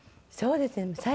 そうですね。